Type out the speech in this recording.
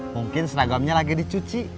mungkin seragamnya lagi dicuci